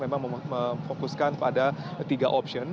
memang memfokuskan pada tiga opsi